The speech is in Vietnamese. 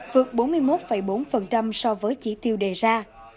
vượt bốn mươi hai bốn mươi ba chỉ tiêu đề ra